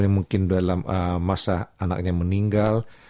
mungkin dalam masa anaknya meninggal